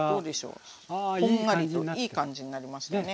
こんがりといい感じになりましたね。